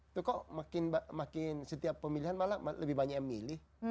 itu kok makin setiap pemilihan malah lebih banyak yang milih